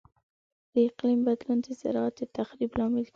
د اقلیم بدلون د زراعت د تخریب لامل کیږي.